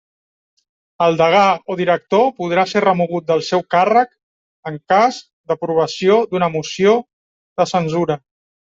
El degà o director podrà ser remogut del seu càrrec en cas d'aprovació d'una moció de censura.